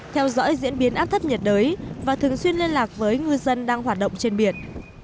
theo dõi diễn biến áp thấp nhiệt đới và thường xuyên liên lạc với ngư dân đang hoạt động trên biển